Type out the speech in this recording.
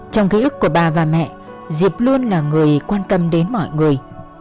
trong ký ức của bà và mẹ diệp luôn là người quan tâm đến mọi người